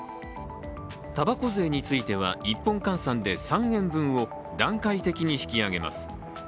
たばこ税については、１本換算で３円分を段階的に引き上げます。